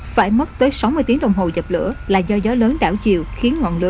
phải mất tới sáu mươi tiếng đồng hồ dập lửa là do gió lớn đảo chiều khiến ngọn lửa